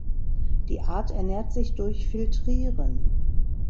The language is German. Die Art ernährt sich durch Filtrieren.